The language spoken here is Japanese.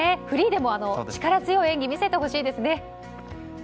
フリーでも力強い演技を見せてほしいですね。